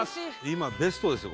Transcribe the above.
今ベストですよ